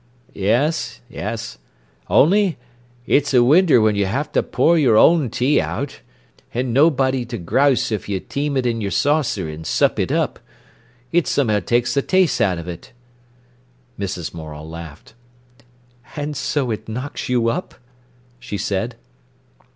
"Yes—yes. Only—it's a winder when you have to pour your own tea out—an' nobody to grouse if you team it in your saucer and sup it up. It somehow takes a' the taste out of it." Mrs. Morel laughed. "And so it knocks you up?" she said.